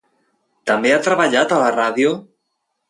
També ha treballat a la ràdio?